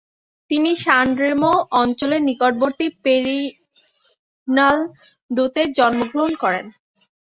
তিনি সানরেমো অঞ্চলের নিকটবর্তী পেরিনালদোতে জন্মগ্রহণ করেন।